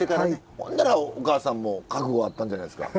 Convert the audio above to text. ほんだらおかあさんも覚悟はあったんじゃないですか。